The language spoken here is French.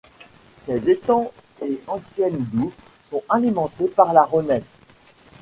Ses étangs et anciennes douves sont alimentés par la Rhosnes.